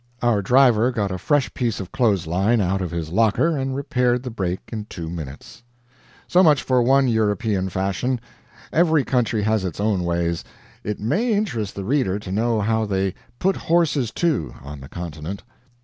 Our driver got a fresh piece of clothes line out of his locker and repaired the break in two minutes. So much for one European fashion. Every country has its own ways. It may interest the reader to know how they "put horses to" on the continent.